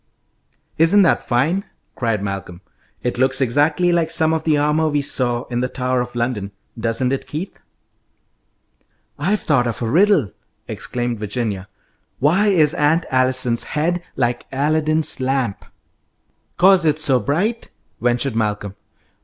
"Isn't that fine!" cried Malcolm. "It looks exactly like some of the armour we saw in the Tower of London, doesn't it, Keith?" "I've thought of a riddle!" exclaimed Virginia. "Why is Aunt Allison's head like Aladdin's lamp?" "'Cause it's so bright?" ventured Malcolm.